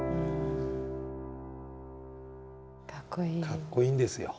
かっこいいんですよ。